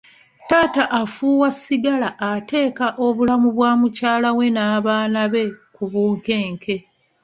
Taata afuuwa sigala ateeka obulamu bwa mukyala we n'abaana be ku bunkenke.